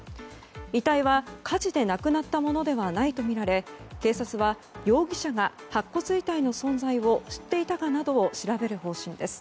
遺体は火事で亡くなったものではないとみられ警察は容疑者が白骨遺体の存在を知っていたかなどを調べる方針です。